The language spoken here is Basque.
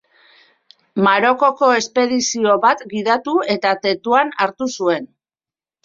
Marokoko espedizio bat gidatu eta Tetuan hartu zuen.